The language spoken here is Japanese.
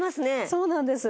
そうなんです。